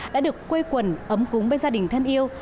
đã được quê quần ấm cúng với gia đình thân yêu